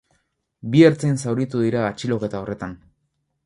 Bi ertzain zauritu dira atxiloketa horretan.